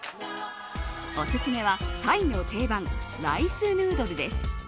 おすすめは、タイの定番ライスヌードルです。